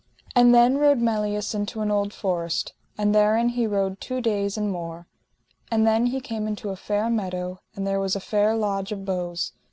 And then rode Melias into an old forest, and therein he rode two days and more. And then he came into a fair meadow, and there was a fair lodge of boughs.